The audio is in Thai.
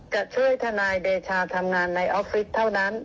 จะช่วยทนายเดชาทำงานในออฟฟิศเท่านั้น